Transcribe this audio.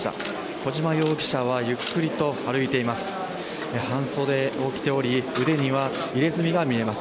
小島容疑者はゆっくりと出てきています。